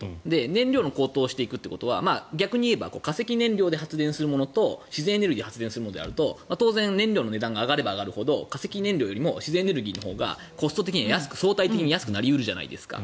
燃料が高騰していくということは逆に言えば化石燃料で発電するものと自然エネルギーで発電するもの当然、燃料の値段が上がれば上がるほど化石燃料よりも自然エネルギーのほうがコストが相対的に安くなり得るじゃないですか。